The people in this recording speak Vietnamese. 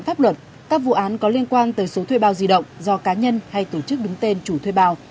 pháp luật các vụ án có liên quan tới số thuê bao di động do cá nhân hay tổ chức đứng tên chủ thuê bao